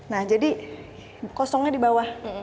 nah jadi kosongnya di bawah